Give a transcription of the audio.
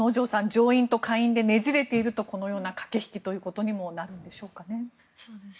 上院と下院でねじれているとこのような駆け引きともなるんですかね。